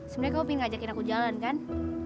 sebenernya kamu pengen ngajakin aku jalan kan